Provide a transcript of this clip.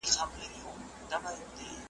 ايا بيا کتنه اړينه ده؟